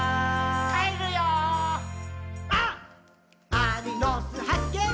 アリの巣はっけん